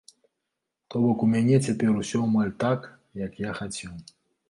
То бок у мяне цяпер усё амаль так, як я хацеў.